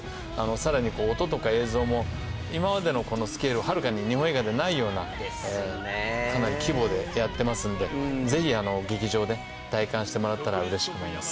さらに音とか映像も今までのスケールをはるかに日本映画でないようなかなり規模でやってますんでぜひあの劇場で体感してもらったら嬉しく思います